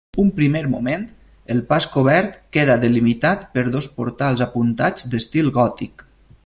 Un primer moment, el pas cobert queda delimitat per dos portals apuntats d'estil gòtic.